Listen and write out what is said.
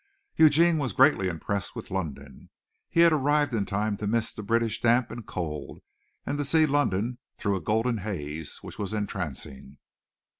Eugene was greatly impressed with London. He had arrived in time to miss the British damp and cold and to see London through a golden haze which was entrancing.